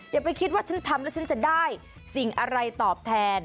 อย่าไปคิดว่าฉันทำแล้วฉันจะได้สิ่งอะไรตอบแทน